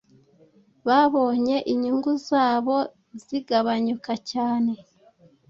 babonye inyungu zabo zigabanyuka cyane